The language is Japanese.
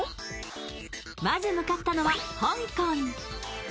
まず向かったのは香港。